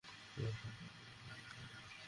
যার ওপর আমার কোনো নিয়ন্ত্রণ নেই।